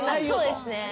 そうですね。